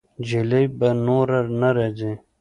جلۍ به نوره نه راځي.